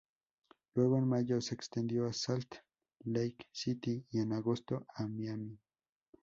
Luego en mayo, se extendió a Salt Lake City y en agosto a Miami.